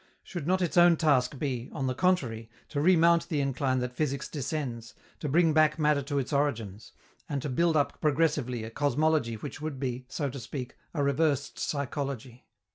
Should not its own task be, on the contrary, to remount the incline that physics descends, to bring back matter to its origins, and to build up progressively a cosmology which would be, so to speak, a reversed psychology?